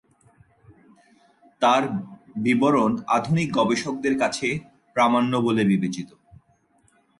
তার বিবরণ আধুনিক গবেষকদের কাছে প্রামাণ্য বলে বিবেচিত।